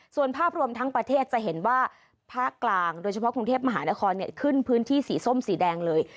ส่วนภาพรวมทั้งประเทศจะเห็นว่าภาคกลางโดยเฉพาะกรุงเทพมหานครขึ้นพื้นที่สีส้มสีแดงเลย